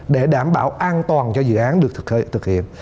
để đảm bảo an toàn cho dự án được thực hiện